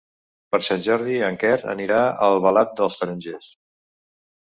Per Sant Jordi en Quer anirà a Albalat dels Tarongers.